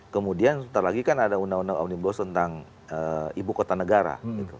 kemudian sebentar lagi kan ada undang undang omnibus tentang ibu kota negara